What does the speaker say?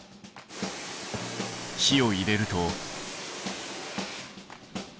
火を入れると。